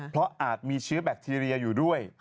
เพราะอาจมีเชื้อแบคทีเรียอยู่ด้วย